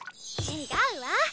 違うわ。